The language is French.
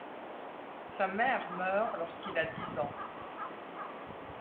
Sa mère meurt lorsqu'il a dix ans.